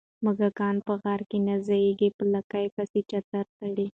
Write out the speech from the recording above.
ـ موږک په غار کې نه ځايږي، په لکۍ پسې چتر تړي.